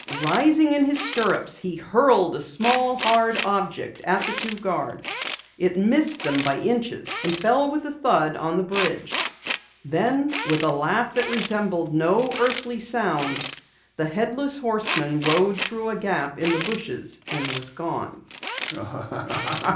Rising in his stirrups, he hurled a small, hard object at the two guards. It missed them by inches and fell with a thud on the bridge. Then with a laugh that resembled no earthly sound, the Headless Horseman rode through a gap in the bushes and was gone.